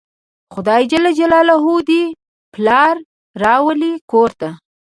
خدای ج دې پلار راولي کور ته